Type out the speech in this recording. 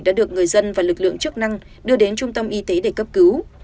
đã được người dân và lực lượng chức năng đưa đến trung tâm y tế để cấp cứu